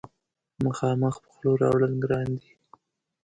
مخامخ په خوله راوړل ګران دي.